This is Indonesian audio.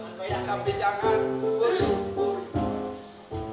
semua orang menggubarnya